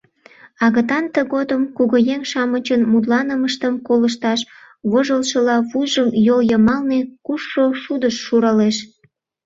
Агытан тыгодым, кугыеҥ-шамычын мутланымыштым колышташ вожылшыла, вуйжым йол йымалне кушшо шудыш шуралеш.